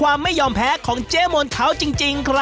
ขอบคุณมากด้วยค่ะพี่ทุกท่านเองนะคะขอบคุณมากด้วยค่ะพี่ทุกท่านเองนะคะ